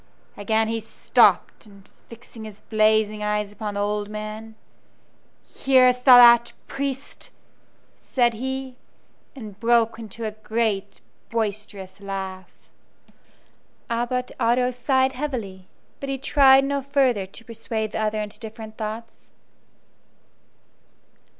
Again he stopped, and fixing his blazing eyes upon the old man, "Hearest thou that, priest?" said he, and broke into a great boisterous laugh. Abbot Otto sighed heavily, but he tried no further to persuade the other into different thoughts.